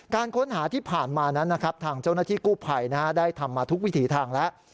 การค้นหาที่ผ่านมานั้นนะครับทางเจ้าหน้าที่กู้ภัยได้ทำมาทุกวิถีทางแล้ว